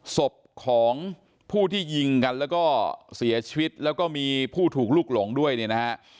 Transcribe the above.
ศพของผู้ที่ยิงกันแล้วก็เสียชีวิตแล้วก็มีผู้ถูกลุกหลงด้วยเนี่ยนะฮะ